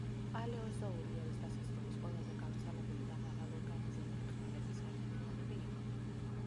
პალეოზოური ერის დასასრულის ყველაზე გავრცელებული და მაღალორგანიზებული ხმელეთის ხერხემლიანები იყვნენ.